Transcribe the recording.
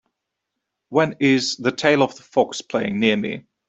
When is The Tale of the Fox playing near me